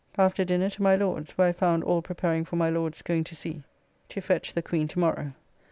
After dinner to my Lord's, where I found all preparing for my Lord's going to sea to fetch the Queen tomorrow.